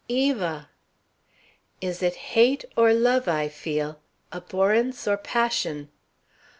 Eva!' "Is it hate or love I feel, abhorrence or passion?